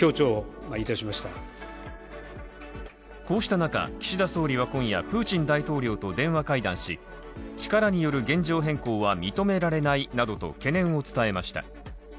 こうした中、岸田総理は今夜プーチン大統領と電話会談し力による現状変更は認められないなどと懸念を伝えました。